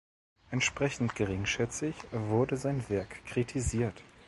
Entsprechend geringschätzig wurde sein Werk kritisiert.